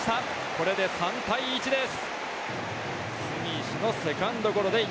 これで３対１です。